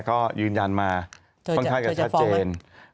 ก็ยืนยันมาค่อนข้างจะชัดเจน